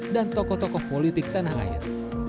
dan tokoh tokoh politik tanah air